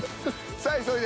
さあ急いで。